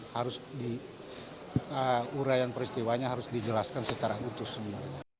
harus diuraian peristiwanya harus dijelaskan secara utuh sebenarnya